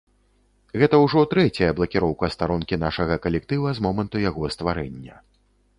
Гэта ўжо трэцяя блакіроўка старонкі нашага калектыва з моманту яго стварэння.